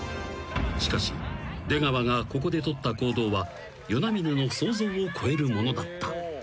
［しかし出川がここで取った行動は與那嶺の想像を超えるものだった］